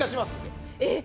えっ？